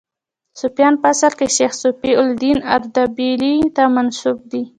صفویان په اصل کې شیخ صفي الدین اردبیلي ته منسوب دي.